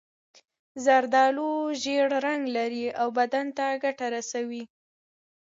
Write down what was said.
زردالو ژېړ رنګ لري او بدن ته ګټه رسوي.